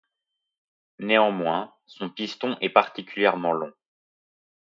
Néanmoins, son piston est particulièrement long.